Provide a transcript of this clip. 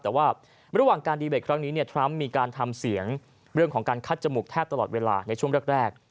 แต่ว่าระหว่างการดีเบตครั้งนี้เนี่ยทรัมป์มีการทำเสียงเรื่องของการคัดจมูกแทบตลอดเวลาในช่วงแรก